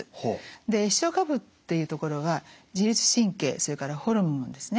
で視床下部っていうところは自律神経それからホルモンですね